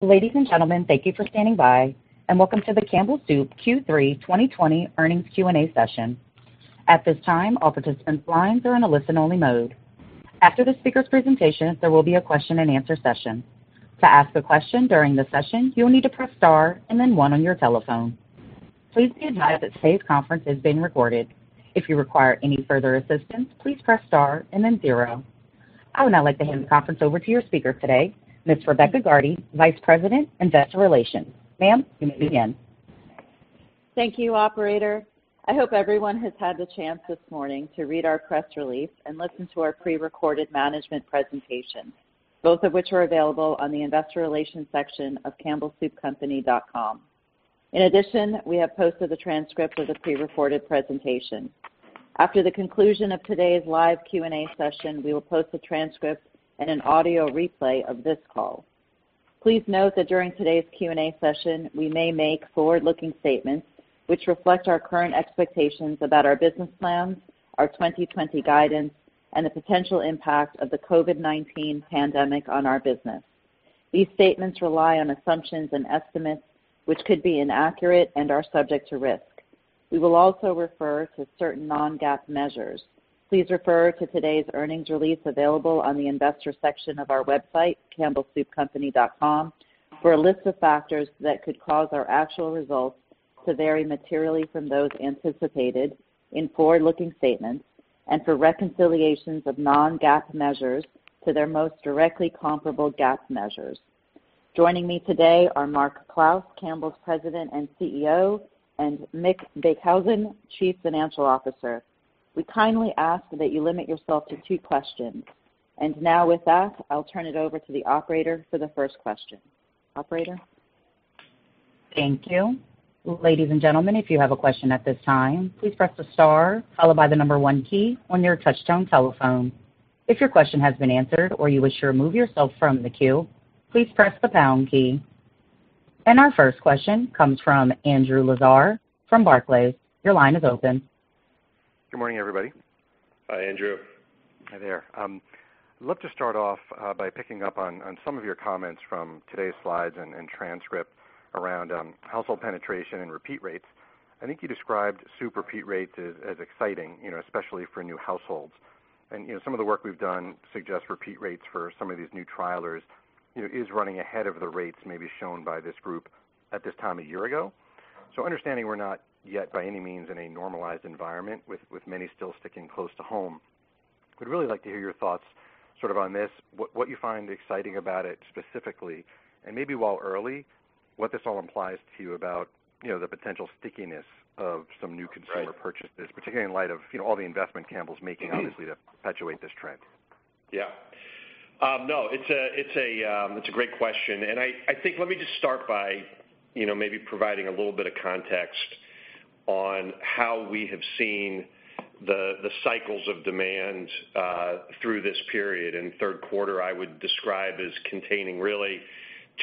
Ladies and gentlemen, thank you for standing by and welcome to the Campbell Group Q3 2020 Earnings Q&A session. At this time, all participants' lines are in a listen-only mode. After the speaker's presentation, there will be a question-and-answer session. To ask a question during the session, you'll need to press star and then one on your telephone. Please be advised that today's conference is being recorded. If you require any further assistance, please press star and then zero. I would now like to hand the conference over to your speaker today, Ms. Rebecca Gardy, Vice President, Investor Relations. Ma'am, you may begin. Thank you, operator. I hope everyone has had the chance this morning to read our press release and listen to our pre-recorded management presentation, both of which are available on the investor relations section of campbellsoupcompany.com. In addition, we have posted the transcript of the pre-recorded presentation. After the conclusion of today's live Q&A session, we will post a transcript and an audio replay of this call. Please note that during today's Q&A session, we may make forward-looking statements which reflect our current expectations about our business plans, our 2020 guidance, and the potential impact of the COVID-19 pandemic on our business. These statements rely on assumptions and estimates, which could be inaccurate and are subject to risk. We will also refer to certain non-GAAP measures. Please refer to today's earnings release available on the investor section of our website, campbellsoupcompany.com, for a list of factors that could cause our actual results to vary materially from those anticipated in forward-looking statements and for reconciliations of non-GAAP measures to their most directly comparable GAAP measures. Joining me today are Mark Clouse, Campbell's President and CEO, and Mick Beekhuizen, Chief Financial Officer. We kindly ask that you limit yourself to two questions. Now with that, I'll turn it over to the operator for the first question. Operator? Thank you. Ladies and gentlemen, if you have a question at this time, please press the star followed by the number one key on your touchtone telephone. If your question has been answered or you wish to remove yourself from the queue, please press the pound key. Our first question comes from Andrew Lazar from Barclays. Your line is open. Good morning, everybody. Hi, Andrew. Hi there. I'd love to start off by picking up on some of your comments from today's slides and transcript around household penetration and repeat rates. I think you described soup repeat rates as exciting, especially for new households. Some of the work we've done suggests repeat rates for some of these new trialers is running ahead of the rates maybe shown by this group at this time a year ago. Understanding we're not yet by any means in a normalized environment with many still sticking close to home, we'd really like to hear your thoughts on this, what you find exciting about it specifically, and maybe while early, what this all implies to you about the potential stickiness of some new consumer purchases, particularly in light of all the investment Campbell's making obviously to perpetuate this trend. Yeah. No, it's a great question, and I think let me just start by maybe providing a little bit of context on how we have seen the cycles of demand through this period in the third quarter, I would describe as containing really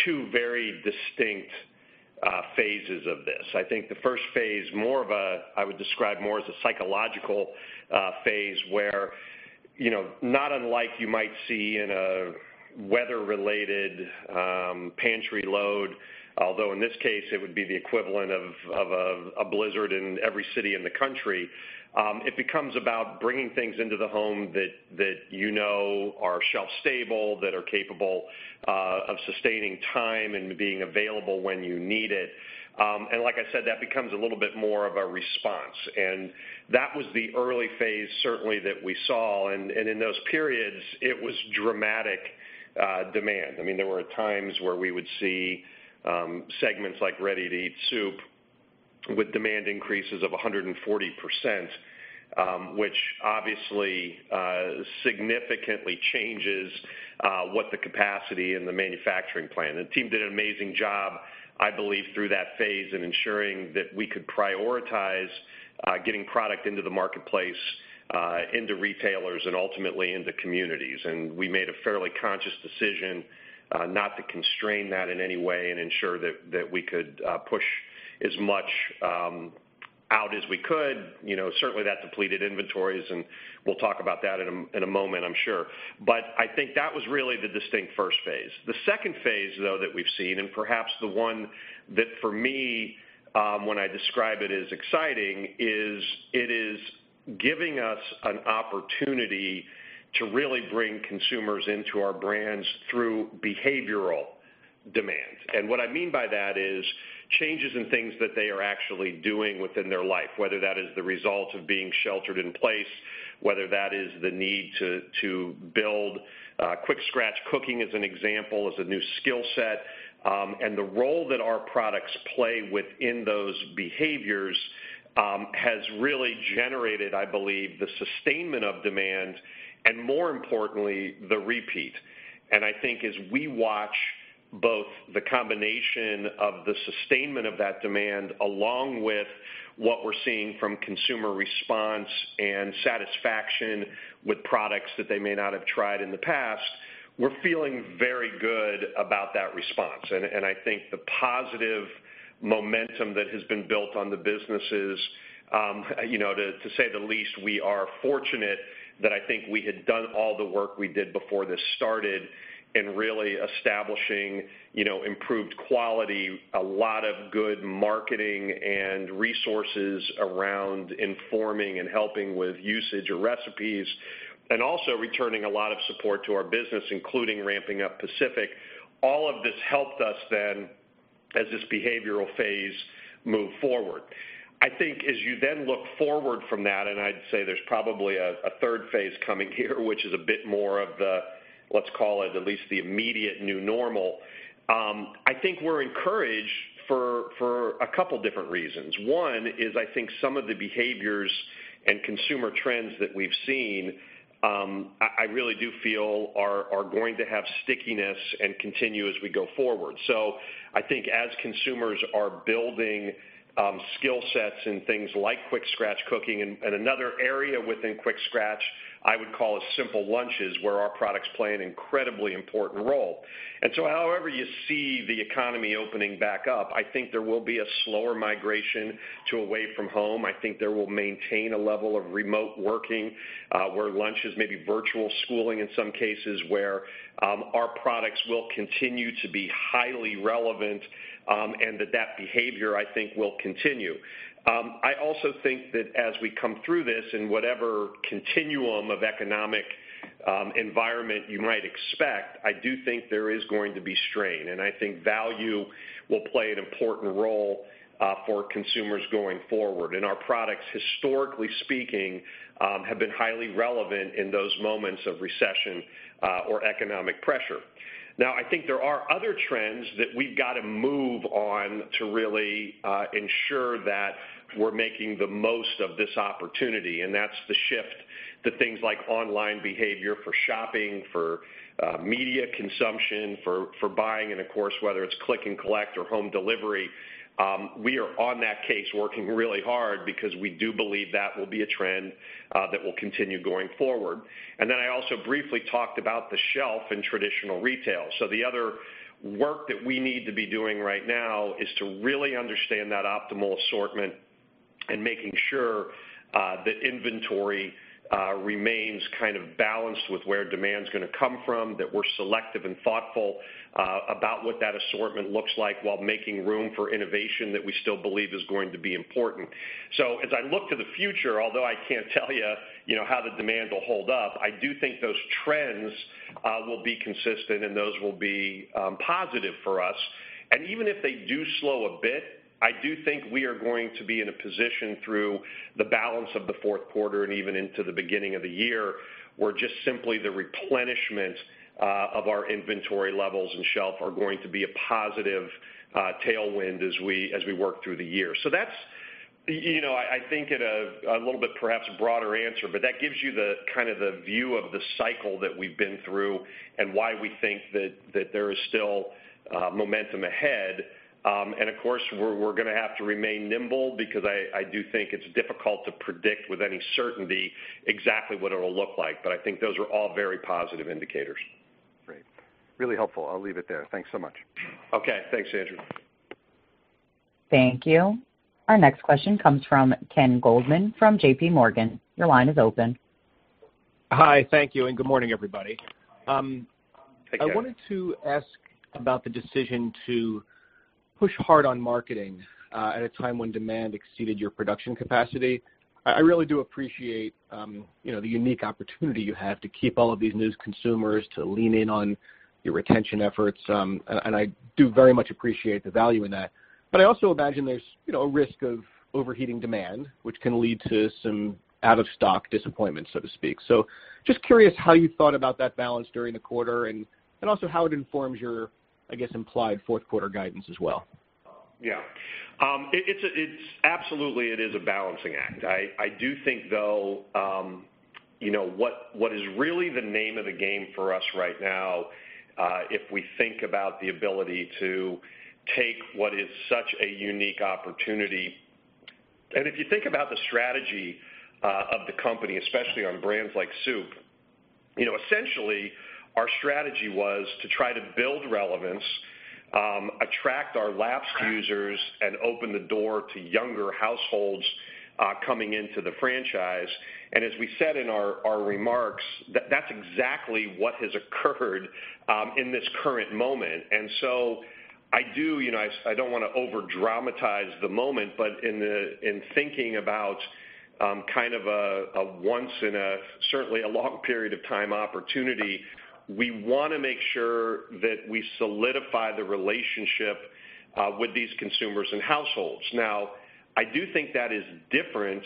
two very distinct phases of this. I think the first phase I would describe more as a psychological phase where not unlike you might see in a weather-related pantry load, although in this case it would be the equivalent of a blizzard in every city in the country. It becomes about bringing things into the home that you know are shelf stable, that are capable of sustaining time and being available when you need it. Like I said, that becomes a little bit more of a response. That was the early phase certainly that we saw, and in those periods, it was dramatic demand. There were times where we would see segments like ready-to-eat soup with demand increases of 140%, which obviously significantly changes what the capacity in the manufacturing plant. The team did an amazing job, I believe, through that phase in ensuring that we could prioritize getting product into the marketplace, into retailers, and ultimately into communities. We made a fairly conscious decision not to constrain that in any way and ensure that we could push as much out as we could. Certainly, that depleted inventories, and we'll talk about that in a moment, I'm sure. I think that was really the distinct first phase. The second phase, though, that we've seen, and perhaps the one that for me when I describe it as exciting is it is giving us an opportunity to really bring consumers into our brands through behavioral demands. What I mean by that is changes in things that they are actually doing within their life, whether that is the result of being sheltered in place, whether that is the need to build quick scratch cooking as an example, as a new skill set. The role that our products play within those behaviors has really generated, I believe, the sustainment of demand and, more importantly, the repeat. I think as we watch both the combination of the sustainment of that demand, along with what we're seeing from consumer response and satisfaction with products that they may not have tried in the past, we're feeling very good about that response. I think the positive momentum that has been built on the businesses. To say the least, we are fortunate that I think we had done all the work we did before this started in really establishing improved quality, a lot of good marketing and resources around informing and helping with usage or recipes, and also returning a lot of support to our business, including ramping up Pacific. All of this helped us then as this behavioral phase moved forward. I think as you then look forward from that, and I'd say there's probably a third phase coming here, which is a bit more of the, let's call it, at least the immediate new normal. I think we're encouraged for a couple different reasons. One is, I think some of the behaviors and consumer trends that we've seen, I really do feel are going to have stickiness and continue as we go forward. I think as consumers are building skill sets and things like quick scratch cooking and another area within quick scratch, I would call it simple lunches, where our products play an incredibly important role. However you see the economy opening back up, I think there will be a slower migration to away from home. I think there will maintain a level of remote working, where lunch is maybe virtual schooling in some cases where our products will continue to be highly relevant, and that behavior I think, will continue. I also think that as we come through this in whatever continuum of economic environment you might expect, I do think there is going to be strain. I think value will play an important role for consumers going forward. Our products, historically speaking, have been highly relevant in those moments of recession or economic pressure. I think there are other trends that we've got to move on to really ensure that we're making the most of this opportunity, and that's the shift to things like online behavior for shopping, for media consumption, for buying, and of course, whether it's click and collect or home delivery. We are on that case working really hard because we do believe that will be a trend that will continue going forward. I also briefly talked about the shelf in traditional retail. The other work that we need to be doing right now is to really understand that optimal assortment and making sure that inventory remains balanced with where demand's going to come from, that we're selective and thoughtful about what that assortment looks like while making room for innovation that we still believe is going to be important. As I look to the future, although I can't tell you how the demand will hold up, I do think those trends will be consistent and those will be positive for us. Even if they do slow a bit, I do think we are going to be in a position through the balance of the fourth quarter and even into the beginning of the year, where just simply the replenishment of our inventory levels and shelf are going to be a positive tailwind as we work through the year. That's, I think a little bit perhaps broader answer, but that gives you the view of the cycle that we've been through and why we think that there is still momentum ahead. Of course, we're going to have to remain nimble because I do think it's difficult to predict with any certainty exactly what it'll look like. I think those are all very positive indicators. Great. Really helpful. I'll leave it there. Thanks so much. Okay. Thanks, Andrew. Thank you. Our next question comes from Ken Goldman from J.P. Morgan. Your line is open. Hi. Thank you and good morning, everybody. Hey, Ken. I wanted to ask about the decision to push hard on marketing at a time when demand exceeded your production capacity. I really do appreciate the unique opportunity you have to keep all of these new consumers to lean in on your retention efforts, and I do very much appreciate the value in that. I also imagine there's a risk of overheating demand, which can lead to some out-of-stock disappointment, so to speak. Just curious how you thought about that balance during the quarter and also how it informs your, I guess, implied fourth quarter guidance as well. Absolutely it is a balancing act. I do think, though, what is really the name of the game for us right now, if we think about the ability to take what is such a unique opportunity, and if you think about the strategy of the company, especially on brands like soup, essentially our strategy was to try to build relevance, attract our lapsed users, and open the door to younger households coming into the franchise. As we said in our remarks, that's exactly what has occurred in this current moment. I don't want to over-dramatize the moment, but in thinking about a once in a, certainly a long period of time opportunity, we want to make sure that we solidify the relationship with these consumers and households. Now, I do think that is different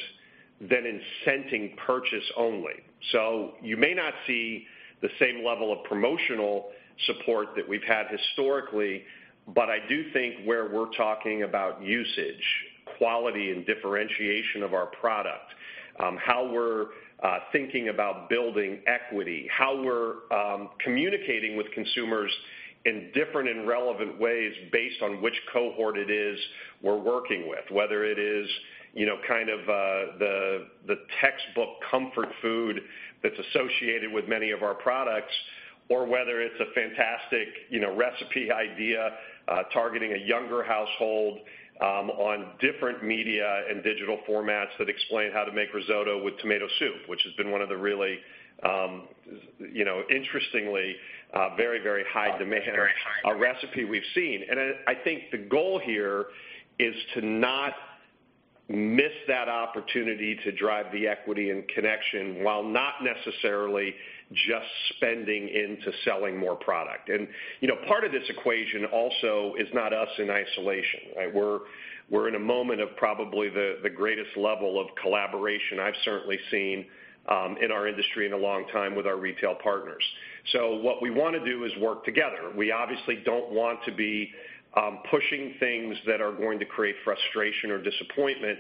than incenting purchase only. You may not see the same level of promotional support that we've had historically. I do think where we're talking about usage, quality, and differentiation of our product, how we're thinking about building equity, how we're communicating with consumers in different and relevant ways based on which cohort it is we're working with, whether it is the textbook comfort food that's associated with many of our products, or whether it's a fantastic recipe idea targeting a younger household on different media and digital formats that explain how to make risotto with tomato soup, which has been one of the really interestingly very high demand. recipe we've seen. I think the goal here is to not miss that opportunity to drive the equity and connection while not necessarily just spending into selling more product. Part of this equation also is not us in isolation, right? We're in a moment of probably the greatest level of collaboration I've certainly seen in our industry in a long time with our retail partners. What we want to do is work together. We obviously don't want to be pushing things that are going to create frustration or disappointment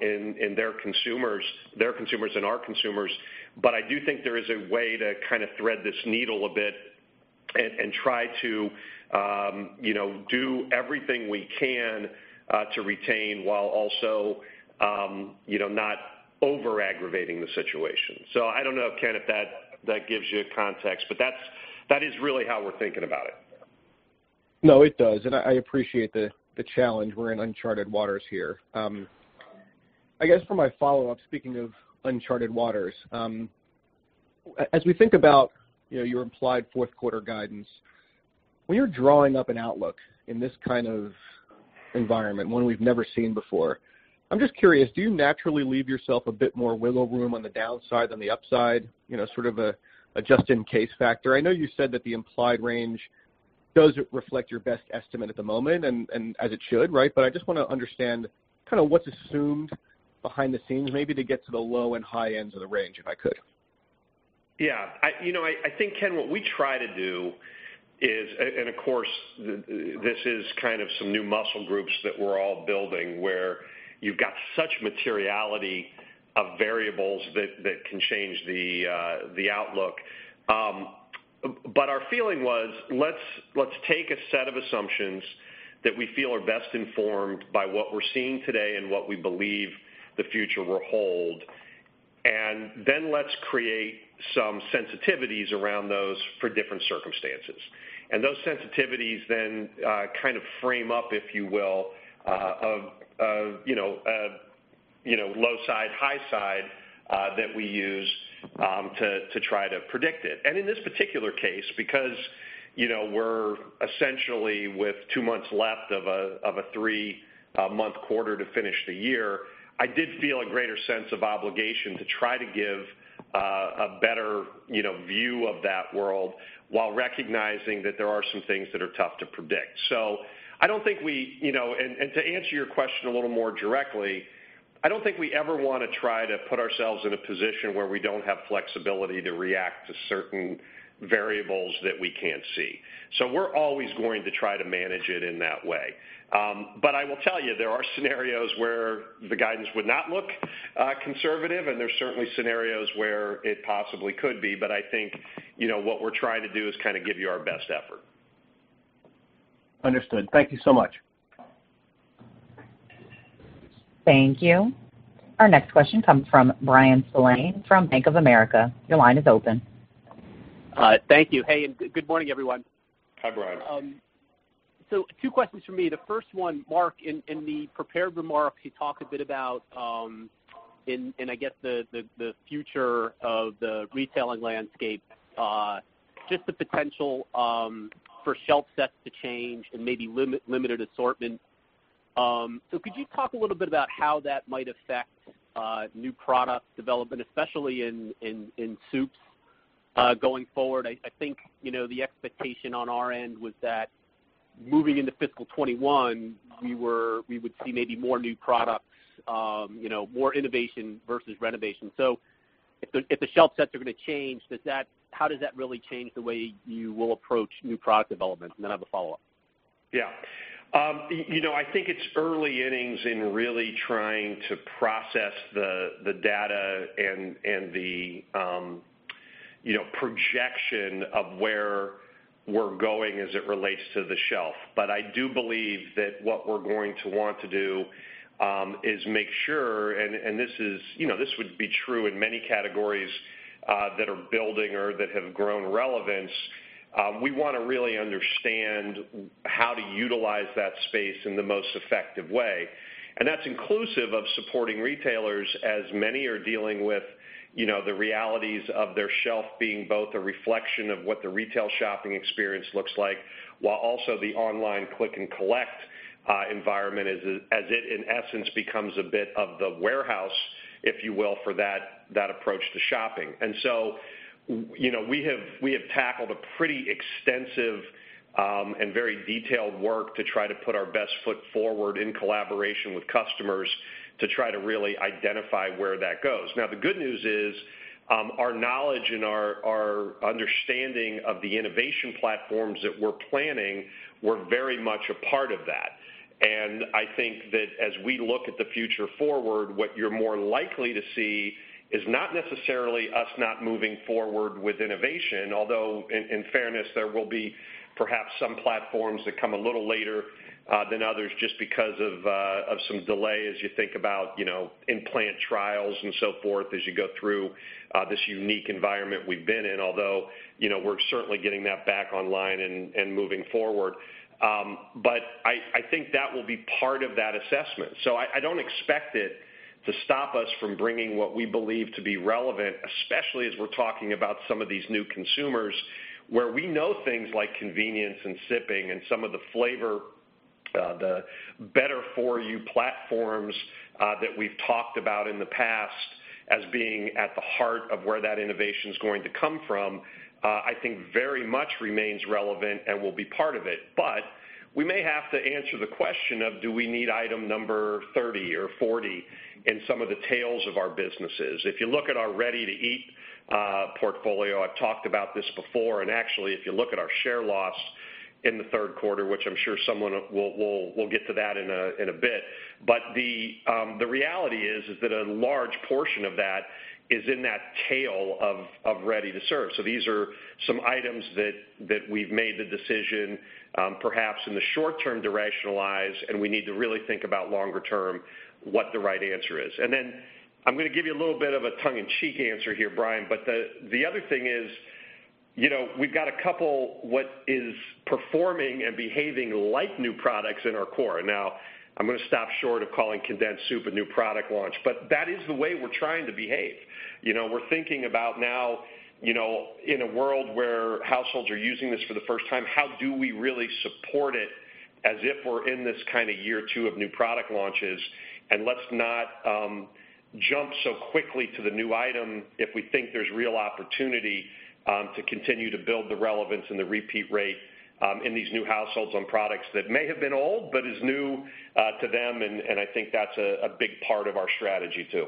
in their consumers and our consumers. I do think there is a way to kind of thread this needle a bit and try to do everything we can to retain while also not over-aggravating the situation. I don't know, Ken, if that gives you context, but that is really how we're thinking about it. No, it does. I appreciate the challenge. We're in uncharted waters here. I guess for my follow-up, speaking of uncharted waters, as we think about your implied fourth quarter guidance, when you're drawing up an outlook in this kind of environment, one we've never seen before, I'm just curious, do you naturally leave yourself a bit more wiggle room on the downside than the upside, sort of a just-in-case factor? I know you said that the implied range does reflect your best estimate at the moment. As it should, right? I just want to understand kind of what's assumed behind the scenes, maybe to get to the low and high ends of the range, if I could. Yeah. I think, Ken, what we try to do is, of course, this is kind of some new muscle groups that we're all building where you've got such materiality of variables that can change the outlook. Our feeling was, let's take a set of assumptions that we feel are best informed by what we're seeing today and what we believe the future will hold. Let's create some sensitivities around those for different circumstances. Those sensitivities then kind of frame up, if you will, a low side, high side that we use to try to predict it. In this particular case, because we're essentially with two months left of a three-month quarter to finish the year, I did feel a greater sense of obligation to try to give a better view of that world while recognizing that there are some things that are tough to predict. To answer your question a little more directly, I don't think we ever want to try to put ourselves in a position where we don't have flexibility to react to certain variables that we can't see. We're always going to try to manage it in that way. I will tell you, there are scenarios where the guidance would not look conservative, and there's certainly scenarios where it possibly could be. I think what we're trying to do is kind of give you our best effort. Understood. Thank you so much. Thank you. Our next question comes from Bryan Spillane from Bank of America. Your line is open. Thank you. Hey, good morning, everyone. Hi, Bryan. Two questions from me. The first one, Mark, in the prepared remarks, you talk a bit about and I guess the future of the retailing landscape, just the potential for shelf sets to change and maybe limited assortment. Could you talk a little bit about how that might affect new product development, especially in soups, going forward? I think the expectation on our end was that moving into fiscal 2021, we would see maybe more new products, more innovation versus renovation. If the shelf sets are going to change, how does that really change the way you will approach new product development? I have a follow-up. Yeah. I think it's early innings in really trying to process the data and the projection of where we're going as it relates to the shelf. I do believe that what we're going to want to do is make sure, and this would be true in many categories that are building or that have grown relevance, we want to really understand how to utilize that space in the most effective way. That's inclusive of supporting retailers as many are dealing with the realities of their shelf being both a reflection of what the retail shopping experience looks like, while also the online click and collect environment as it in essence becomes a bit of the warehouse, if you will, for that approach to shopping. We have tackled a pretty extensive and very detailed work to try to put our best foot forward in collaboration with customers to try to really identify where that goes. The good news is, our knowledge and our understanding of the innovation platforms that we're planning were very much a part of that. I think that as we look at the future forward, what you're more likely to see is not necessarily us not moving forward with innovation, although in fairness, there will be perhaps some platforms that come a little later than others just because of some delay as you think about in plant trials and so forth, as you go through this unique environment we've been in, although we're certainly getting that back online and moving forward. I think that will be part of that assessment. I don't expect it to stop us from bringing what we believe to be relevant, especially as we're talking about some of these new consumers. Where we know things like convenience and sipping and some of the flavor, the better-for-you platforms that we've talked about in the past as being at the heart of where that innovation's going to come from, I think very much remains relevant and will be part of it. We may have to answer the question of, do we need item number 30 or 40 in some of the tails of our businesses? If you look at our ready-to-eat portfolio, I've talked about this before, and actually, if you look at our share loss in the third quarter, which I'm sure someone will get to that in a bit. The reality is that a large portion of that is in that tail of ready-to-serve. These are some items that we've made the decision, perhaps in the short term, to rationalize, and we need to really think about longer term what the right answer is. Then I'm going to give you a little bit of a tongue-in-cheek answer here, Bryan, but the other thing is, we've got a couple what is performing and behaving like new products in our core. I'm going to stop short of calling condensed soup a new product launch, but that is the way we're trying to behave. We're thinking about now, in a world where households are using this for the first time, how do we really support it as if we're in this kind of year two of new product launches. Let's not jump so quickly to the new item if we think there's real opportunity to continue to build the relevance and the repeat rate in these new households on products that may have been old but is new to them. I think that's a big part of our strategy, too.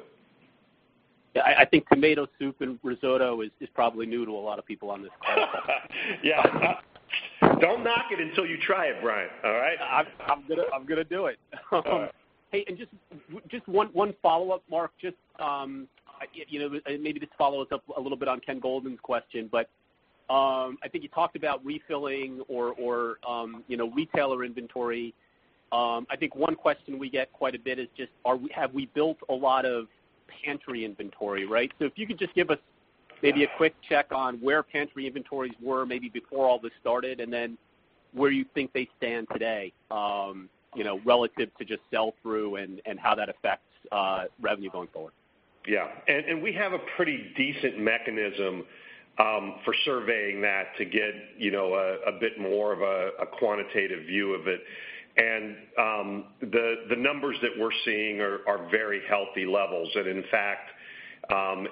I think tomato soup and risotto is probably new to a lot of people on this call. Yeah. Don't knock it until you try it, Bryan. All right? I'm going to do it. All right. Hey, just one follow-up, Mark, maybe this follows up a little bit on Ken Goldman's question, but I think you talked about refilling or retailer inventory. I think one question we get quite a bit is just have we built a lot of pantry inventory, right? If you could just give us maybe a quick check on where pantry inventories were, maybe before all this started, and then where you think they stand today, relative to just sell-through and how that affects revenue going forward. Yeah. We have a pretty decent mechanism for surveying that to get a bit more of a quantitative view of it. The numbers that we're seeing are very healthy levels. In fact,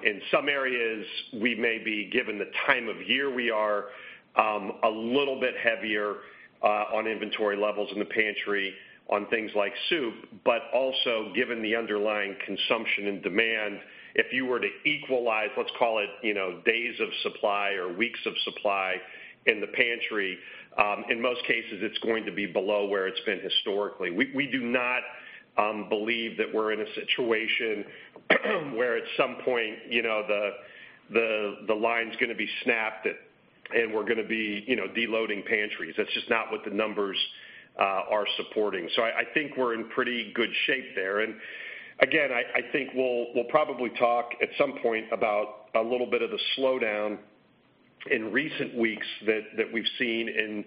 in some areas, we may be given the time of year we are, a little bit heavier on inventory levels in the pantry on things like soup, but also given the underlying consumption and demand, if you were to equalize, let's call it, days of supply or weeks of supply in the pantry, in most cases, it's going to be below where it's been historically. We do not believe that we're in a situation where at some point, the line's going to be snapped and we're going to be de-loading pantries. That's just not what the numbers are supporting. I think we're in pretty good shape there. Again, I think we'll probably talk at some point about a little bit of the slowdown in recent weeks that we've seen in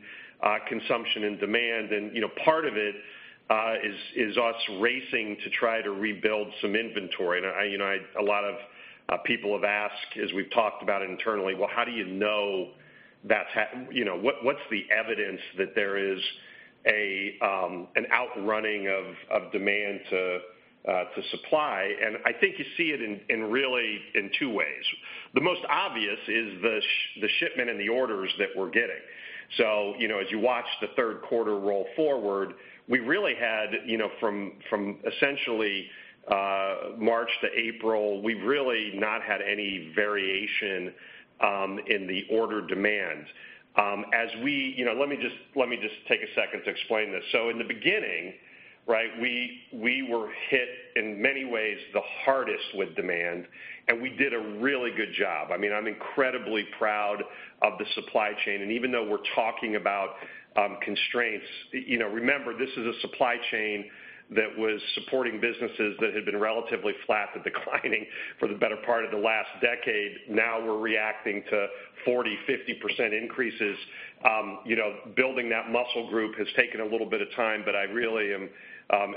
consumption and demand and part of it is us racing to try to rebuild some inventory. A lot of people have asked, as we've talked about internally, "Well, what's the evidence that there is an outrunning of demand to supply?" I think you see it in really in two ways. The most obvious is the shipment and the orders that we're getting. As you watch the third quarter roll forward, we really had from essentially March to April, we've really not had any variation in the order demand. Let me just take a second to explain this. In the beginning, we were hit in many ways the hardest with demand, and we did a really good job. I'm incredibly proud of the supply chain, and even though we're talking about constraints, remember, this is a supply chain that was supporting businesses that had been relatively flat to declining for the better part of the last decade. Now we're reacting to 40%, 50% increases. Building that muscle group has taken a little bit of time, but I really am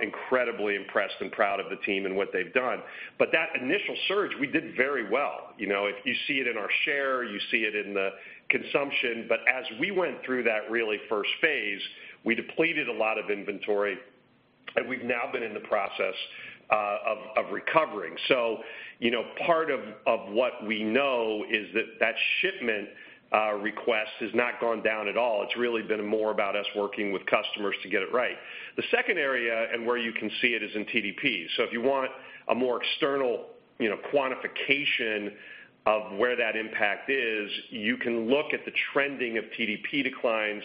incredibly impressed and proud of the team and what they've done. That initial surge, we did very well. You see it in our share, you see it in the consumption. As we went through that really first phase, we depleted a lot of inventory, and we've now been in the process of recovering. Part of what we know is that that shipment request has not gone down at all. It's really been more about us working with customers to get it right. The second area where you can see it is in TDPs. If you want a more external quantification of where that impact is, you can look at the trending of TDP declines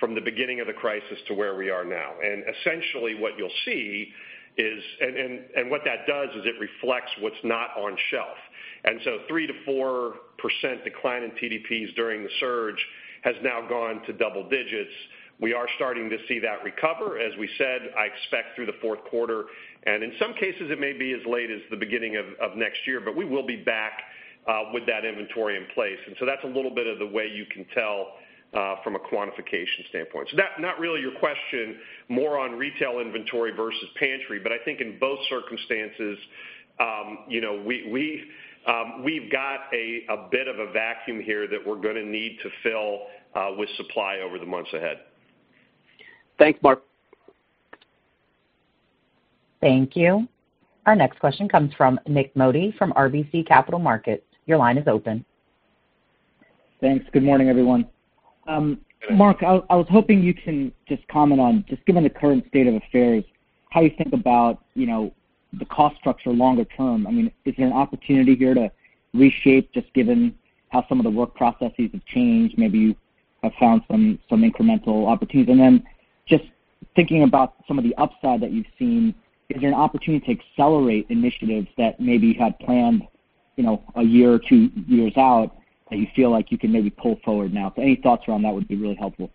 from the beginning of the crisis to where we are now. Essentially what you'll see is it reflects what's not on shelf. 3% to 4% decline in TDPs during the surge has now gone to double digits. We are starting to see that recover, as we said, I expect through the fourth quarter, and in some cases, it may be as late as the beginning of next year, but we will be back with that inventory in place. That's a little bit of the way you can tell from a quantification standpoint. Not really your question, more on retail inventory versus pantry, but I think in both circumstances, we've got a bit of a vacuum here that we're going to need to fill with supply over the months ahead. Thanks, Mark. Thank you. Our next question comes from Nik Modi from RBC Capital Markets. Your line is open. Thanks. Good morning, everyone. Good day. Mark, I was hoping you can just comment on, just given the current state of affairs, how you think about the cost structure longer term. Is there an opportunity here to reshape, just given how some of the work processes have changed, maybe you have found some incremental opportunities? Just thinking about some of the upside that you've seen, is there an opportunity to accelerate initiatives that maybe you had planned a year or two years out that you feel like you can maybe pull forward now? Any thoughts around that would be really helpful.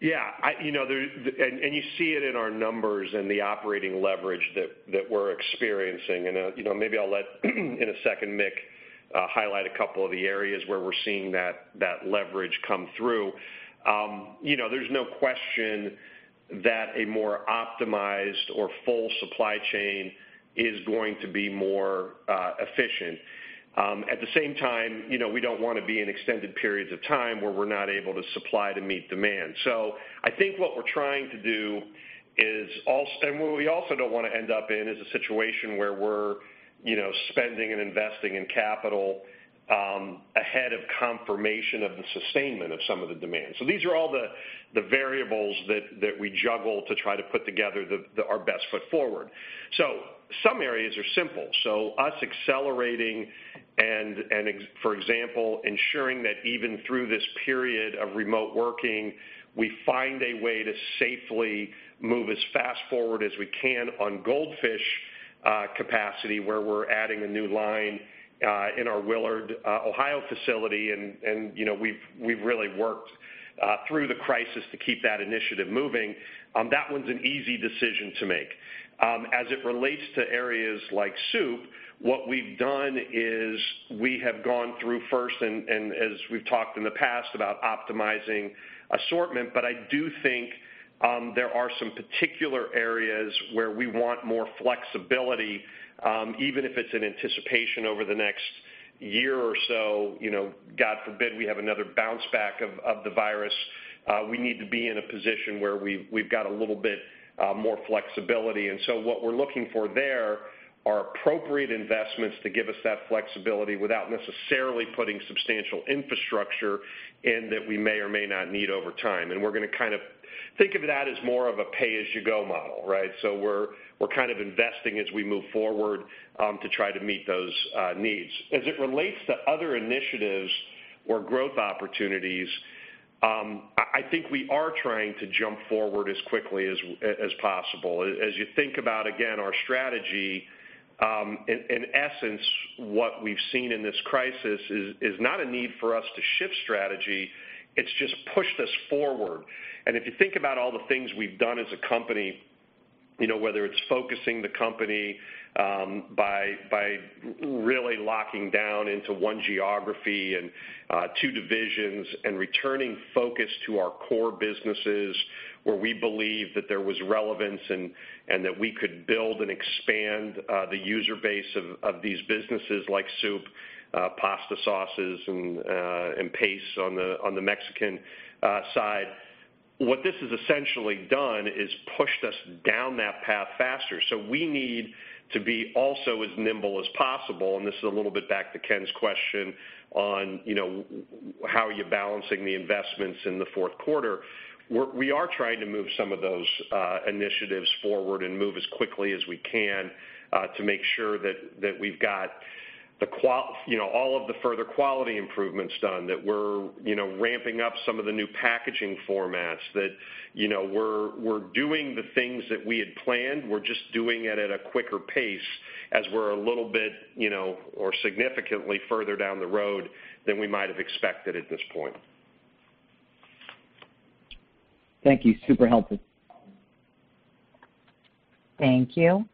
Yeah. You see it in our numbers and the operating leverage that we're experiencing, maybe I'll let, in a second, Nik, highlight a couple of the areas where we're seeing that leverage come through. There's no question that a more optimized or full supply chain is going to be more efficient. At the same time, we don't want to be in extended periods of time where we're not able to supply to meet demand. Where we also don't want to end up in is a situation where we're spending and investing in capital ahead of confirmation of the sustainment of some of the demand. These are all the variables that we juggle to try to put together our best foot forward. Some areas are simple. Us accelerating and, for example, ensuring that even through this period of remote working, we find a way to safely move as fast forward as we can on Goldfish capacity, where we're adding a new line in our Willard, Ohio facility and we've really worked through the crisis to keep that initiative moving. As it relates to areas like soup, what we've done is we have gone through first and as we've talked in the past about optimizing assortment, but I do think there are some particular areas where we want more flexibility, even if it's in anticipation over the next year or so. God forbid, we have another bounce back of the virus, we need to be in a position where we've got a little bit more flexibility. What we're looking for there are appropriate investments to give us that flexibility without necessarily putting substantial infrastructure in that we may or may not need over time. We're going to think of that as more of a pay-as-you-go model, right? We're investing as we move forward to try to meet those needs. As it relates to other initiatives or growth opportunities, I think we are trying to jump forward as quickly as possible. As you think about, again, our strategy, in essence, what we've seen in this crisis is not a need for us to shift strategy. It's just pushed us forward. If you think about all the things we've done as a company, whether it's focusing the company by really locking down into one geography and two divisions and returning focus to our core businesses where we believe that there was relevance and that we could build and expand the user base of these businesses like soup, pasta sauces, and Pace on the Mexican side. What this has essentially done is pushed us down that path faster. We need to be also as nimble as possible, and this is a little bit back to Ken's question on how you're balancing the investments in the fourth quarter. We are trying to move some of those initiatives forward and move as quickly as we can to make sure that we've got all of the further quality improvements done, that we're ramping up some of the new packaging formats, that we're doing the things that we had planned. We're just doing it at a quicker pace as we're a little bit or significantly further down the road than we might have expected at this point. Thank you. Super helpful. Thank you.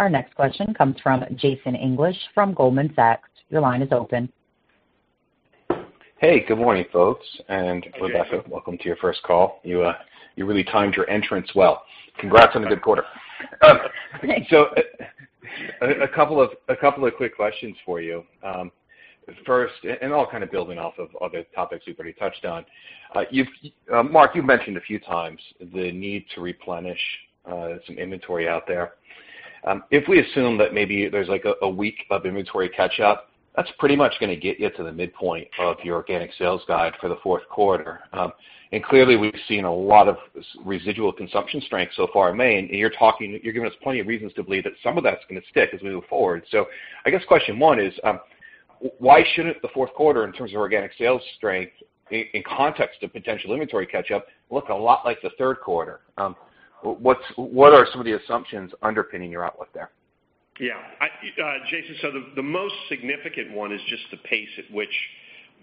Our next question comes from Jason English from Goldman Sachs. Your line is open. Hey, good morning, folks. Rebecca, welcome to your first call. You really timed your entrance well. Congrats on a good quarter. Thanks. A couple of quick questions for you. First, all building off of other topics you've already touched on. Mark, you've mentioned a few times the need to replenish some inventory out there. If we assume that maybe there's like a week of inventory catch-up, that's pretty much going to get you to the midpoint of your organic sales guide for the fourth quarter. Clearly, we've seen a lot of residual consumption strength so far in May, and you're giving us plenty of reasons to believe that some of that's going to stick as we move forward. I guess question one is why shouldn't the fourth quarter in terms of organic sales strength in context of potential inventory catch-up look a lot like the third quarter? What are some of the assumptions underpinning your outlook there? Yeah. Jason, the most significant one is just the pace at which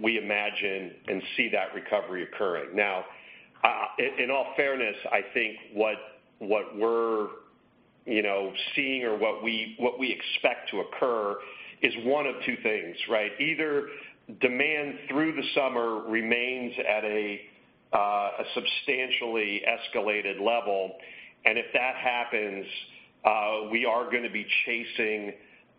we imagine and see that recovery occurring. Now, in all fairness, I think what we're seeing or what we expect to occur is one of two things, right? Either demand through the summer remains at a substantially escalated level, if that happens, we are going to be chasing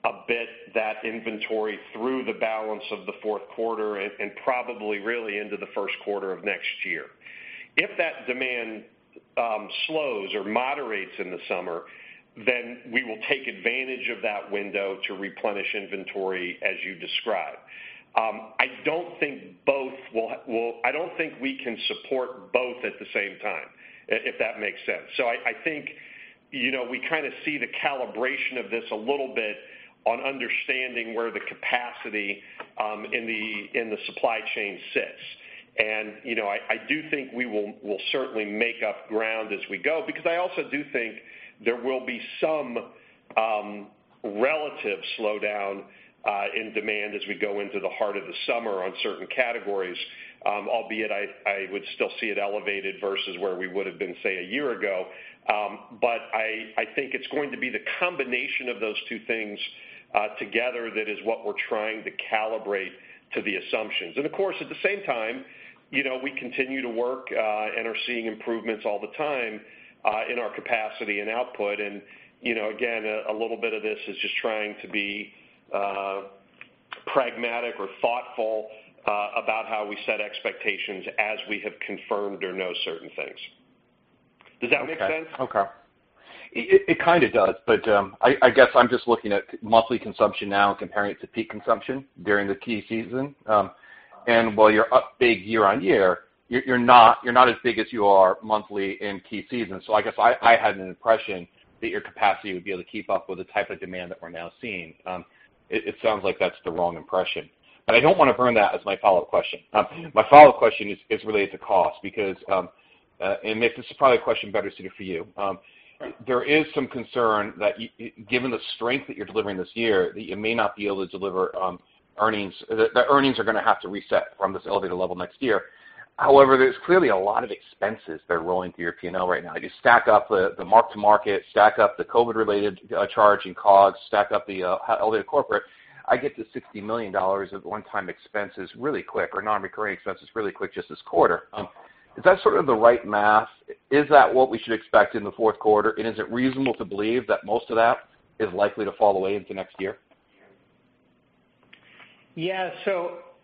a bit that inventory through the balance of the fourth quarter and probably really into the first quarter of next year. If that demand slows or moderates in the summer, we will take advantage of that window to replenish inventory as you describe. I don't think we can support both at the same time, if that makes sense. I think we kind of see the calibration of this a little bit on understanding where the capacity in the supply chain sits. I do think we will certainly make up ground as we go, because I also do think there will be some relative slowdown in demand as we go into the heart of the summer on certain categories. Albeit I would still see it elevated versus where we would've been, say, a year ago. I think it's going to be the combination of those two things together that is what we're trying to calibrate to the assumptions. Of course, at the same time, we continue to work and are seeing improvements all the time in our capacity and output. Again, a little bit of this is just trying to be pragmatic or thoughtful about how we set expectations as we have confirmed or know certain things. Does that make sense? It kind of does, but I guess I'm just looking at monthly consumption now and comparing it to peak consumption during the key season. While you're up big year-on-year, you're not as big as you are monthly in key season. I guess I had an impression that your capacity would be able to keep up with the type of demand that we're now seeing. It sounds like that's the wrong impression. I don't want to burn that as my follow-up question. My follow-up question is related to cost because, and Mick, this is probably a question better suited for you. Right. There is some concern that given the strength that you're delivering this year, that you may not be able to deliver earnings. That earnings are going to have to reset from this elevated level next year. There's clearly a lot of expenses that are rolling through your P&L right now. You stack up the mark-to-market, stack up the COVID-related charge and costs, stack up the elevated corporate, I get to $60 million of one-time expenses really quick, or non-recurring expenses really quick just this quarter. Is that sort of the right math? Is that what we should expect in the fourth quarter, and is it reasonable to believe that most of that is likely to fall away into next year?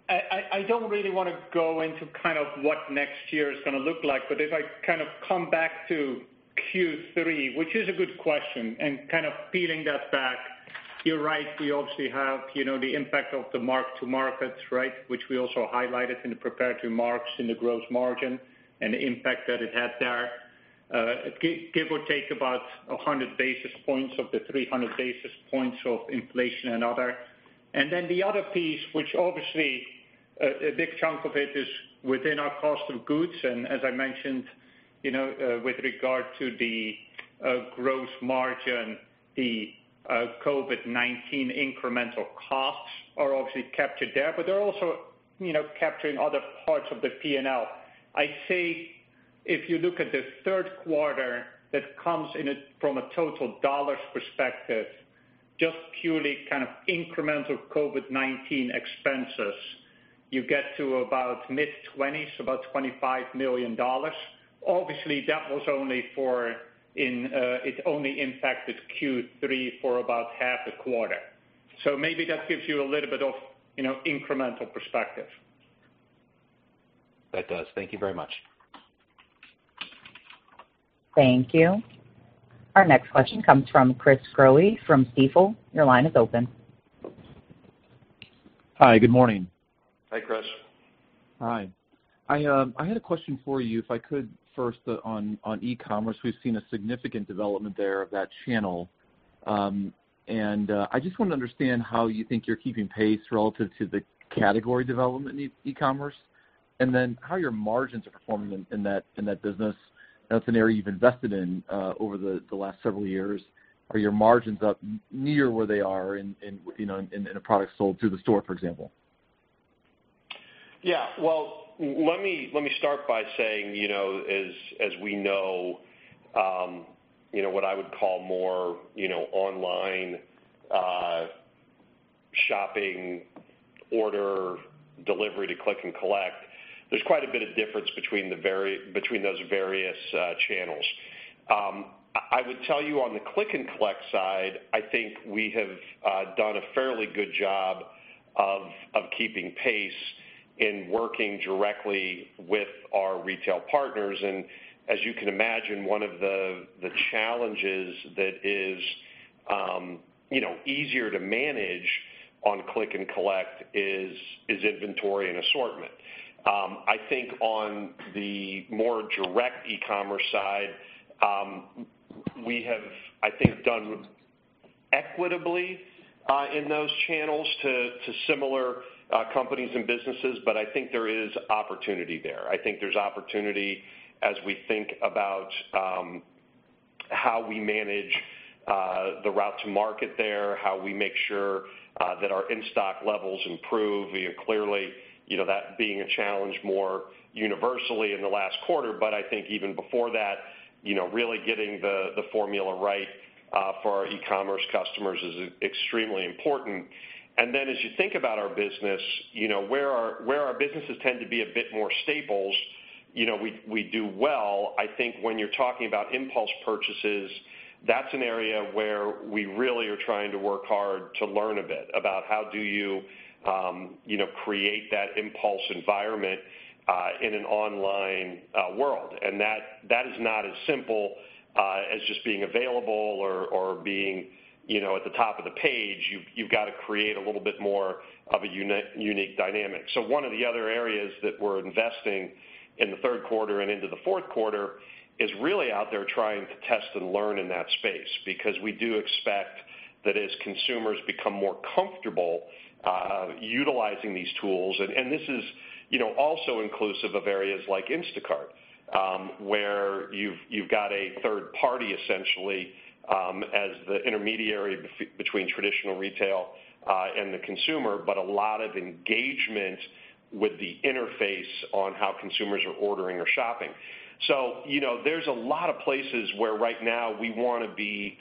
I don't really want to go into what next year is going to look like, but if I come back to Q3, which is a good question, and kind of peeling that back, you're right. We obviously have the impact of the mark-to-market, right? Which we also highlighted in the prepared remarks in the gross margin and the impact that it had there. Give or take about 100 basis points of the 300 basis points of inflation and other. Then the other piece, which obviously, a big chunk of it is within our cost of goods. As I mentioned, with regard to the gross margin, the COVID-19 incremental costs are obviously captured there, but they're also capturing other parts of the P&L. I'd say if you look at the third quarter, that comes in it from a total dollars perspective, just purely incremental COVID-19 expenses, you get to about mid-20, so about $25 million. Obviously, it only impacted Q3 for about half a quarter. Maybe that gives you a little bit of incremental perspective. That does. Thank you very much. Thank you. Our next question comes from Chris Growe from Stifel. Your line is open. Hi, good morning. Hi, Chris. Hi. I had a question for you, if I could first on e-commerce. We've seen a significant development there of that channel. I just want to understand how you think you're keeping pace relative to the category development in e-commerce, and then how your margins are performing in that business. That's an area you've invested in over the last several years. Are your margins up near where they are in a product sold through the store, for example? Well, let me start by saying, as we know, what I would call more online shopping, order, delivery to click and collect, there's quite a bit of difference between those various channels. I would tell you on the click and collect side, I think we have done a fairly good job of keeping pace in working directly with our retail partners. As you can imagine, one of the challenges that is easier to manage on click and collect is inventory and assortment. I think on the more direct e-commerce side, we have, I think, done equitably in those channels to similar companies and businesses, but I think there is opportunity there. I think there's opportunity as we think about how we manage the route to market there, how we make sure that our in-stock levels improve. Clearly, that being a challenge more universally in the last quarter, but I think even before that, really getting the formula right for our e-commerce customers is extremely important. As you think about our business, where our businesses tend to be a bit more staples, we do well. I think when you're talking about impulse purchases, that's an area where we really are trying to work hard to learn a bit about how do you create that impulse environment in an online world. That is not as simple as just being available or being at the top of the page. You've got to create a little bit more of a unique dynamic. One of the other areas that we're investing in the third quarter and into the fourth quarter is really out there trying to test and learn in that space, because we do expect that as consumers become more comfortable utilizing these tools, and this is also inclusive of areas like Instacart, where you've got a third party essentially, as the intermediary between traditional retail and the consumer, but a lot of engagement with the interface on how consumers are ordering or shopping. There's a lot of places where right now we want to be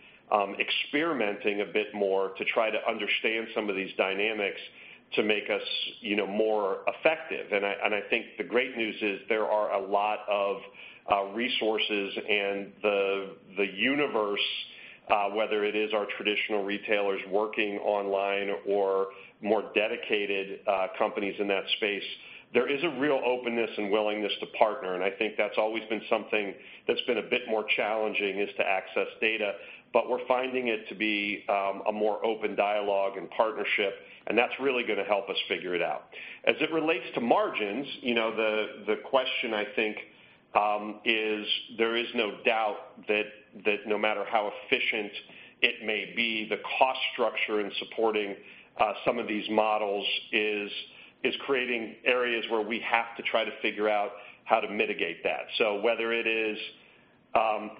experimenting a bit more to try to understand some of these dynamics to make us more effective. I think the great news is there are a lot of resources and the universe, whether it is our traditional retailers working online or more dedicated companies in that space, there is a real openness and willingness to partner, and I think that's always been something that's been a bit more challenging is to access data. We're finding it to be a more open dialogue and partnership, and that's really going to help us figure it out. As it relates to margins, the question I think is, there is no doubt that no matter how efficient it may be, the cost structure in supporting some of these models is creating areas where we have to try to figure out how to mitigate that. Whether it is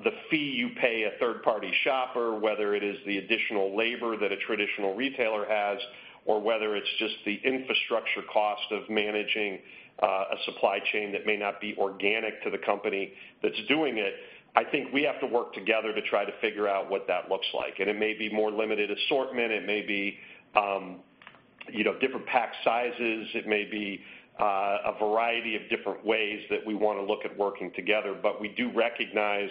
the fee you pay a third party shopper, whether it is the additional labor that a traditional retailer has, or whether it's just the infrastructure cost of managing a supply chain that may not be organic to the company that's doing it, I think we have to work together to try to figure out what that looks like. It may be more limited assortment, it may be different pack sizes, it may be a variety of different ways that we want to look at working together, but we do recognize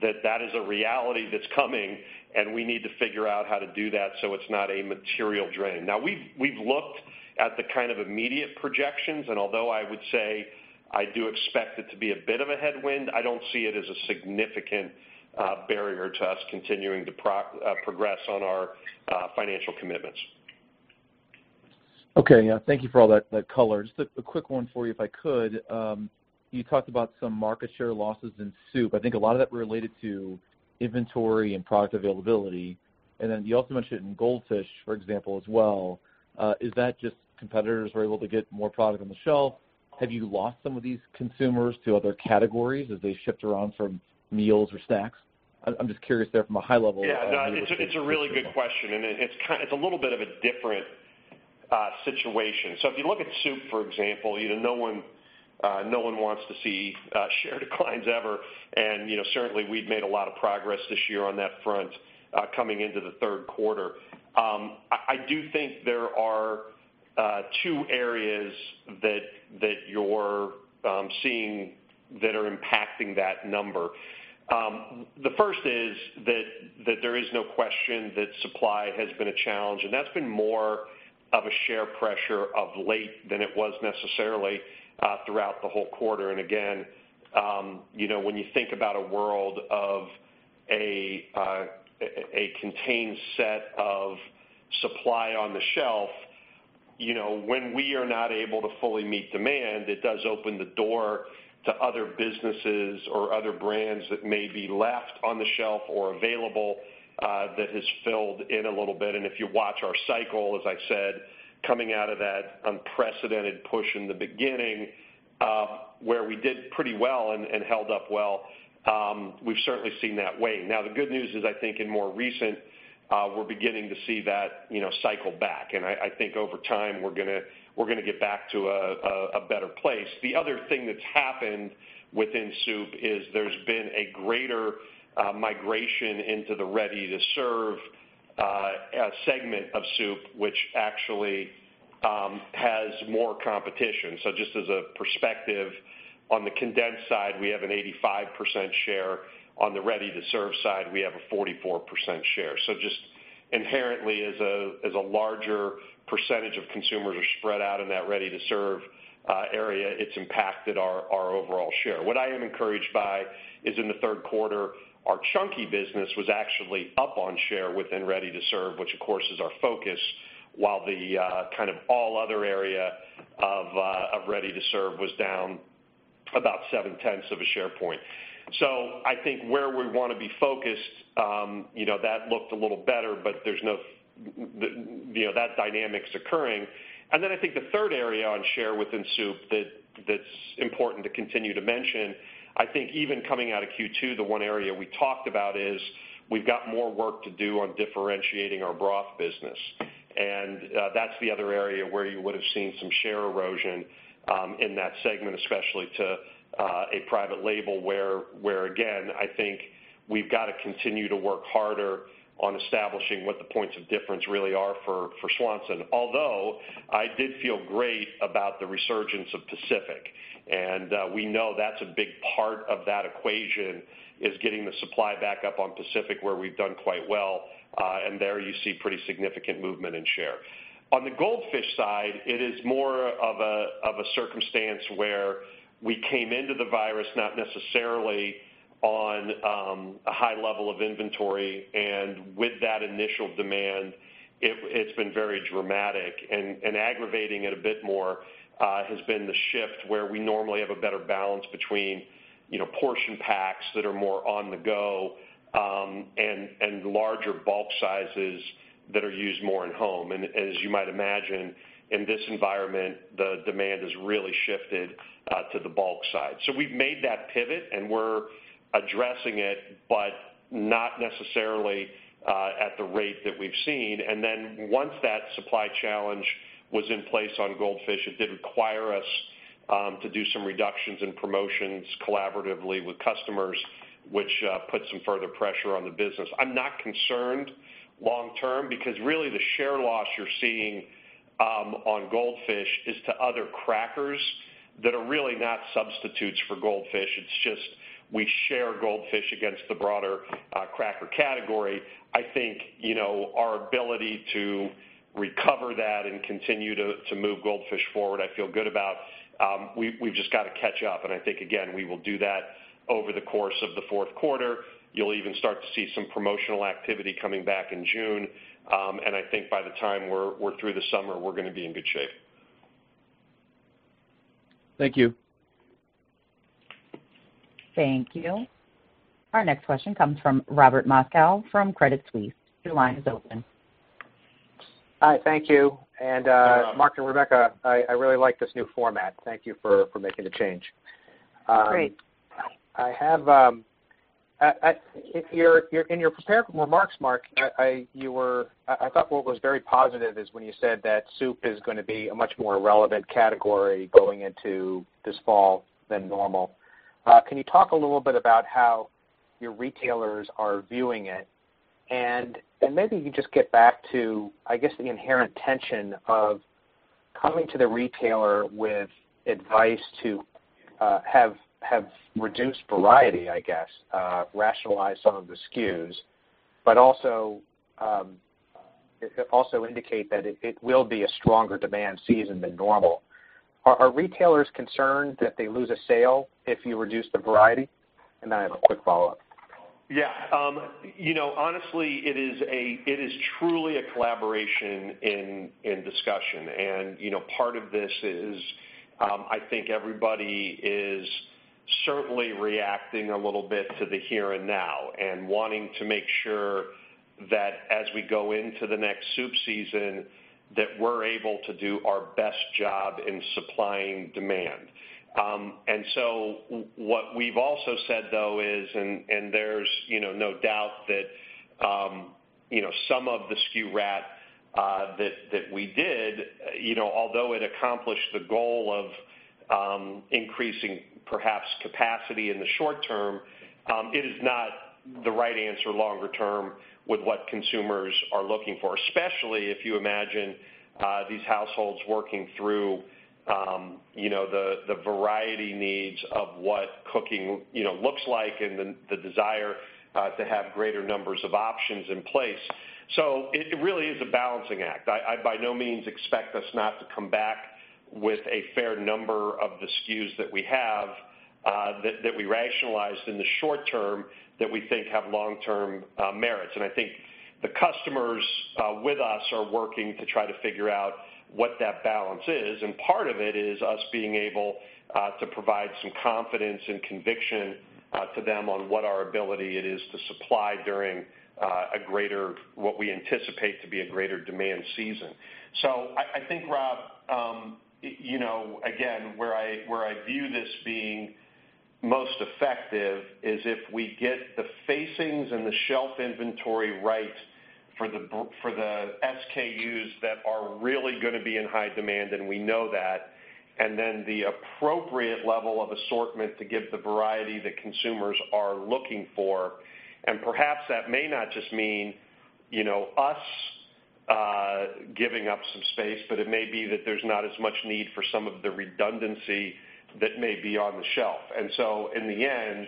that that is a reality that's coming and we need to figure out how to do that so it's not a material drain. We've looked at the kind of immediate projections, and although I would say I do expect it to be a bit of a headwind, I don't see it as a significant barrier to us continuing to progress on our financial commitments. Okay. Thank you for all that color. Just a quick one for you if I could. You talked about some market share losses in soup. I think a lot of that related to inventory and product availability. Then you also mentioned in Goldfish, for example, as well. Is that just competitors were able to get more product on the shelf? Have you lost some of these consumers to other categories as they shift around from meals or snacks? I'm just curious there from a high level. Yeah. No, it's a really good question, and it's a little bit of a different situation. If you look at soup, for example, no one wants to see share declines ever. Certainly, we'd made a lot of progress this year on that front, coming into the third quarter. I do think there are two areas that you're seeing that are impacting that number. The first is that there is no question that supply has been a challenge, and that's been more of a share pressure of late than it was necessarily, throughout the whole quarter. Again, when you think about a world of a contained set of supply on the shelf, when we are not able to fully meet demand, it does open the door to other businesses or other brands that may be left on the shelf or available, that has filled in a little bit. If you watch our cycle, as I said, coming out of that unprecedented push in the beginning, where we did pretty well and held up well, we've certainly seen that wane. The good news is I think in more recent, we're beginning to see that cycle back. I think over time, we're going to get back to a better place. The other thing that's happened within soup is there's been a greater migration into the ready-to-serve segment of soup, which actually has more competition. Just as a perspective, on the condensed side, we have an 85% share. On the ready-to-serve side, we have a 44% share. Just inherently as a larger percentage of consumers are spread out in that ready-to-serve area, it's impacted our overall share. What I am encouraged by is in the third quarter, our Chunky business was actually up on share within ready-to-serve, which of course is our focus, while the kind of all other area of ready-to-serve was down about 0.7 of a share point. I think where we want to be focused, that looked a little better, but that dynamic's occurring. I think the third area on share within soup that's important to continue to mention, I think even coming out of Q2, the one area we talked about is we've got more work to do on differentiating our broth business. That's the other area where you would've seen some share erosion, in that segment, especially to a private label where again, I think we've got to continue to work harder on establishing what the points of difference really are for Swanson. Although, I did feel great about the resurgence of Pacific, and we know that's a big part of that equation, is getting the supply back up on Pacific where we've done quite well. There you see pretty significant movement in share. On the Goldfish side, it is more of a circumstance where we came into the virus not necessarily on a high level of inventory, and with that initial demand, it's been very dramatic and aggravating it a bit more, has been the shift where we normally have a better balance between portion packs that are more on the go, and larger bulk sizes that are used more in home. As you might imagine in this environment, the demand has really shifted to the bulk side. We've made that pivot and we're addressing it, but not necessarily at the rate that we've seen. Once that supply challenge was in place on Goldfish, it did require us to do some reductions in promotions collaboratively with customers, which put some further pressure on the business. I'm not concerned long term because really the share loss you're seeing on Goldfish is to other crackers that are really not substitutes for Goldfish. It's just we share Goldfish against the broader cracker category. I think, our ability to recover that and continue to move Goldfish forward, I feel good about. We've just got to catch up and I think, again, we will do that over the course of the fourth quarter. You'll even start to see some promotional activity coming back in June. I think by the time we're through the summer, we're going to be in good shape. Thank you. Thank you. Our next question comes from Robert Moskow from Credit Suisse. Your line is open. Hi. Thank you. Mark and Rebecca, I really like this new format. Thank you for making the change. Great. In your prepared remarks, Mark, I thought what was very positive is when you said that soup is going to be a much more relevant category going into this fall than normal. Can you talk a little bit about how your retailers are viewing it? maybe you just get back to, I guess, the inherent tension of coming to the retailer with advice to have reduced variety, I guess, rationalize some of the SKUs, but also indicate that it will be a stronger demand season than normal. Are retailers concerned that they lose a sale if you reduce the variety? I have a quick follow-up. Yeah. Honestly, it is truly a collaboration and discussion. Part of this is, I think everybody is certainly reacting a little bit to the here and now and wanting to make sure that as we go into the next soup season, that we're able to do our best job in supplying demand. What we've also said though is, and there's no doubt that some of the SKU rationalization that we did, although it accomplished the goal of increasing perhaps capacity in the short term, it is not the right answer longer term with what consumers are looking for. Especially if you imagine these households working through the variety needs of what cooking looks like and the desire to have greater numbers of options in place. It really is a balancing act. I by no means expect us not to come back with a fair number of the SKUs that we have, that we rationalized in the short term that we think have long-term merits. I think the customers with us are working to try to figure out what that balance is. Part of it is us being able to provide some confidence and conviction to them on what our ability it is to supply during what we anticipate to be a greater demand season. I think, Rob, again, where I view this being most effective is if we get the facings and the shelf inventory right for the SKUs that are really going to be in high demand, and we know that, and then the appropriate level of assortment to give the variety that consumers are looking for. Perhaps that may not just mean us giving up some space, but it may be that there's not as much need for some of the redundancy that may be on the shelf. In the end,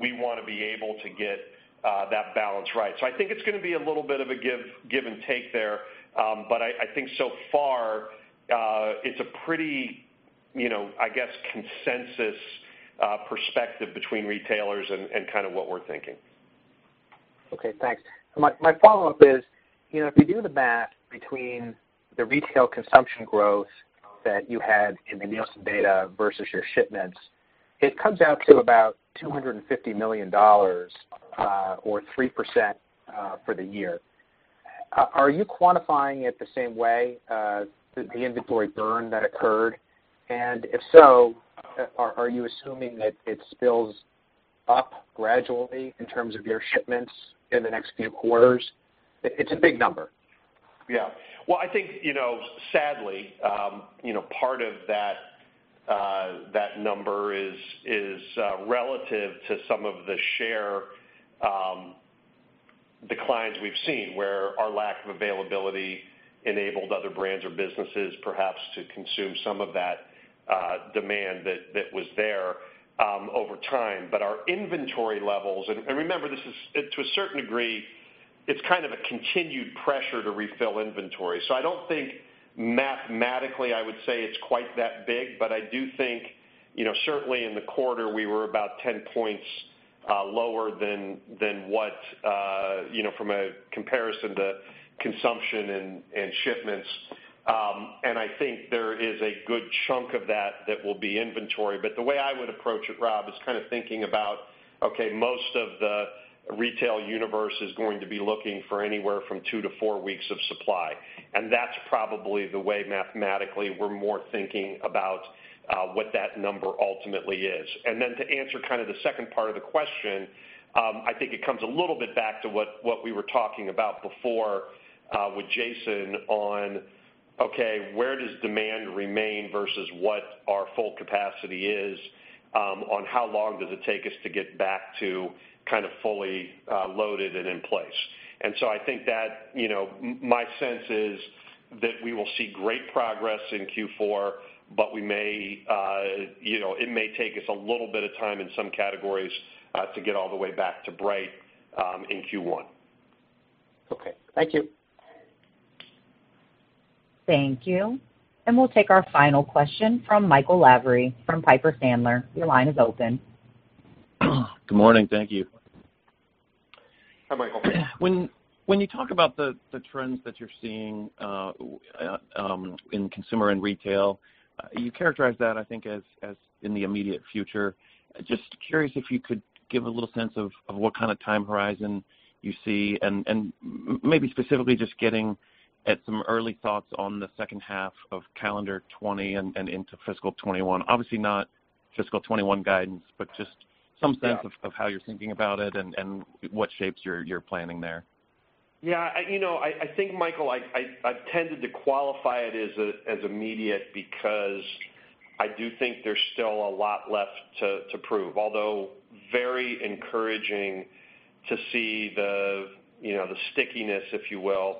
we want to be able to get that balance right. I think it's going to be a little bit of a give and take there. I think so far, it's a pretty, I guess, consensus perspective between retailers and kind of what we're thinking. Okay, thanks. My follow-up is, if you do the math between the retail consumption growth that you had in the Nielsen data versus your shipments, it comes out to about $250 million or 3% for the year. Are you quantifying it the same way, the inventory burn that occurred? If so, are you assuming that it builds up gradually in terms of your shipments in the next few quarters? It's a big number. Yeah. Well, I think, sadly, part of that number is relative to some of the share declines we've seen, where our lack of availability enabled other brands or businesses perhaps to consume some of that demand that was there over time. Our inventory levels, and remember to a certain degree, it's kind of a continued pressure to refill inventory. I don't think mathematically I would say it's quite that big, but I do think, certainly in the quarter we were about 10 points lower from a comparison to consumption and shipments. I think there is a good chunk of that that will be inventory. The way I would approach it, Rob, is kind of thinking about, okay, most of the retail universe is going to be looking for anywhere from two to four weeks of supply, and that's probably the way mathematically we're more thinking about what that number ultimately is. Then to answer the second part of the question, I think it comes a little bit back to what we were talking about before, with Jason on, okay, where does demand remain versus what our full capacity is, on how long does it take us to get back to kind of fully loaded and in place. So I think that my sense is that we will see great progress in Q4, but it may take us a little bit of time in some categories to get all the way back to bright in Q1. Okay. Thank you. Thank you. We'll take our final question from Michael Lavery from Piper Sandler. Your line is open. Good morning. Thank you. Hi, Michael. When you talk about the trends that you're seeing in consumer and retail, you characterize that, I think, as in the immediate future. Just curious if you could give a little sense of what kind of time horizon you see and maybe specifically just getting at some early thoughts on the second half of calendar 2020 and into fiscal 2021. Obviously not fiscal 2021 guidance, but just some sense of how you're thinking about it and what shapes you're planning there? Yeah. I think, Michael, I've tended to qualify it as immediate because I do think there's still a lot left to prove, although very encouraging to see the stickiness, if you will,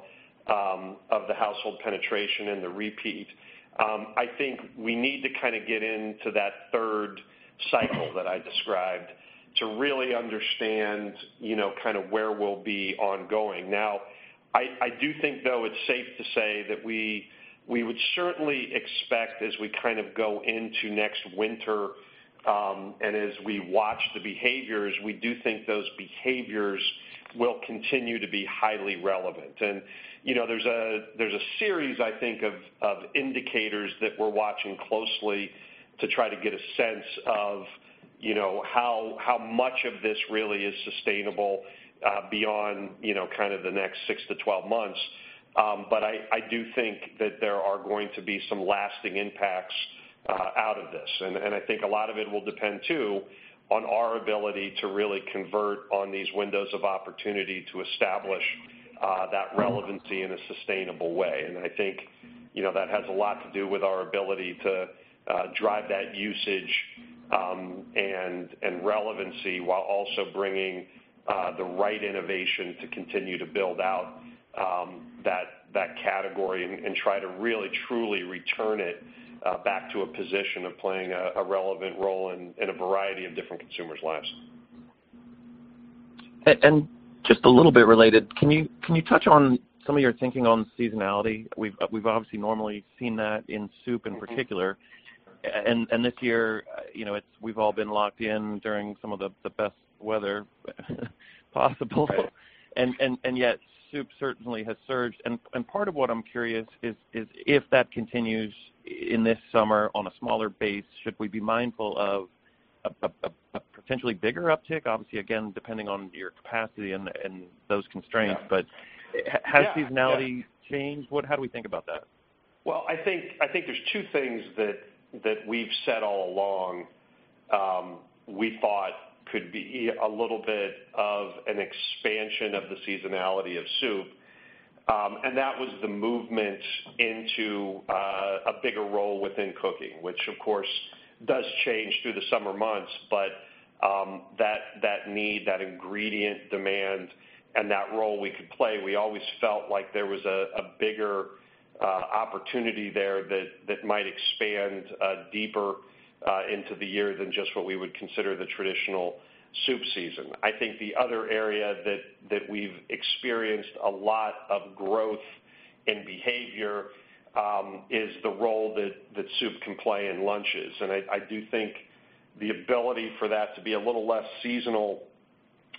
of the household penetration and the repeat. I think we need to get into that third cycle that I described to really understand where we'll be ongoing. Now, I do think, though, it's safe to say that we would certainly expect as we go into next winter, and as we watch the behaviors, we do think those behaviors will continue to be highly relevant. There's a series, I think, of indicators that we're watching closely to try to get a sense of how much of this really is sustainable, beyond the next 6-12 months. I do think that there are going to be some lasting impacts out of this. I think a lot of it will depend too, on our ability to really convert on these windows of opportunity to establish that relevancy in a sustainable way. I think that has a lot to do with our ability to drive that usage, and relevancy while also bringing the right innovation to continue to build out that category and try to really truly return it back to a position of playing a relevant role in a variety of different consumers' lives. Just a little bit related, can you touch on some of your thinking on seasonality? We've obviously normally seen that in soup in particular, and this year, we've all been locked in during some of the best weather possible. Right. Yet soup certainly has surged and part of what I'm curious is if that continues in this summer on a smaller base, should we be mindful of a potentially bigger uptick? Obviously, again, depending on your capacity and those constraints has seasonality changed? How do we think about that? Well, I think there's two things that we've said all along, we thought could be a little bit of an expansion of the seasonality of soup. That was the movement into a bigger role within cooking, which of course does change through the summer months. That need, that ingredient demand and that role we could play, we always felt like there was a bigger opportunity there that might expand deeper into the year than just what we would consider the traditional soup season. I think the other area that we've experienced a lot of growth in behavior, is the role that soup can play in lunches. I do think the ability for that to be a little less seasonal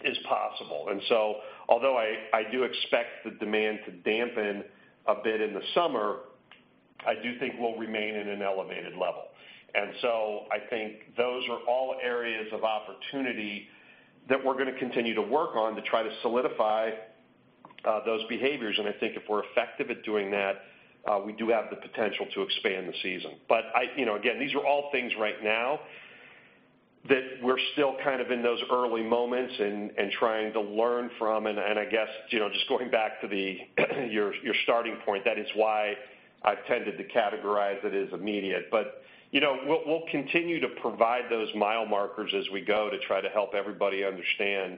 is possible. Although I do expect the demand to dampen a bit in the summer, I do think we'll remain at an elevated level. I think those are all areas of opportunity that we're going to continue to work on to try to solidify those behaviors. I think if we're effective at doing that, we do have the potential to expand the season. Again, these are all things right now that we're still kind of in those early moments and trying to learn from, and I guess, just going back to your starting point, that is why I've tended to categorize it as immediate. We'll continue to provide those mile markers as we go to try to help everybody understand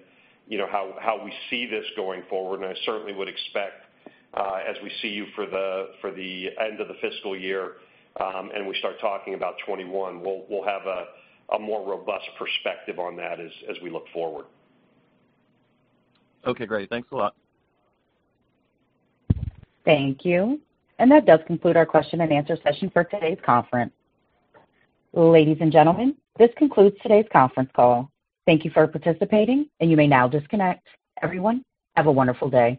how we see this going forward. I certainly would expect, as we see you for the end of the fiscal year, and we start talking about 2021, we'll have a more robust perspective on that as we look forward. Okay, great. Thanks a lot. Thank you. That does conclude our question and answer session for today's conference. Ladies and gentlemen, this concludes today's conference call. Thank you for participating, and you may now disconnect. Everyone, have a wonderful day.